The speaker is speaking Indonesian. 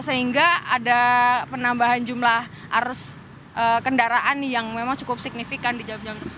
sehingga ada penambahan jumlah arus kendaraan yang memang cukup signifikan di jam jam